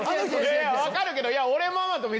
分かるけど俺。